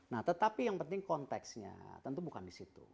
nah tetapi yang penting konteksnya tentu bukan di situ